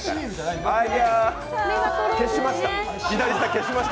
左下、消しました。